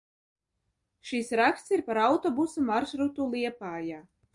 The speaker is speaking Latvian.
Šis raksts ir par autobusu maršrutu Liepājā.